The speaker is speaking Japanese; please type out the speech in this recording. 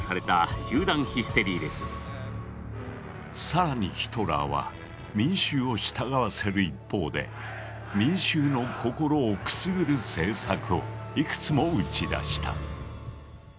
更にヒトラーは民衆を従わせる一方で民衆の心をくすぐる政策をいくつも打ち出した。